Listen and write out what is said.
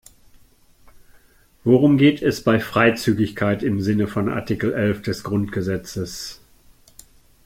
Worum geht es bei Freizügigkeit im Sinne von Artikel elf des Grundgesetzes?